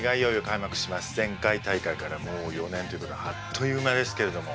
前回大会からもう４年ということであっという間ですけれども。